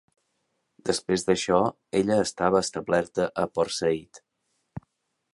Després d'això, ella estava establerta a Port Saïd.